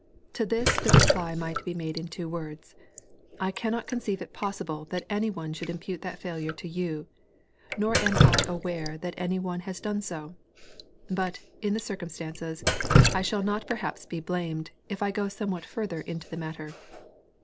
To this the reply might be made in two words. I cannot conceive it possible that any one should impute that failure to you, nor am I aware that any one has done so. But, in the circumstances, I shall not perhaps be blamed, if I go somewhat further into the matter.